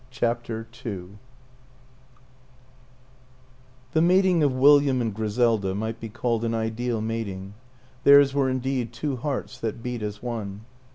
CHAPTER II THE mating of William and Griselda might be called an ideal mating; theirs were indeed two hearts that beat as one.